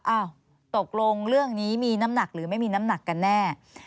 อ้าวตกลงเรื่องนี้มีน้ำหนักหรือไม่มีน้ำหนักกันแน่